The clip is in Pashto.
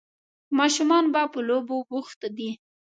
ماشومان په لوبو بوخت دي.